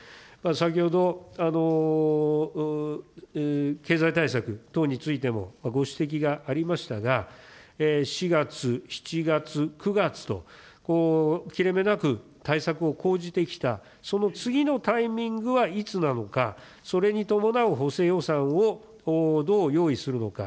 先ほど経済対策等についてのご指摘がありましたが、４月、７月、９月と、切れ目なく対策を講じてきた、その次のタイミングはいつなのか、それに伴う補正予算をどう用意するのか。